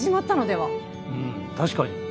うん確かに。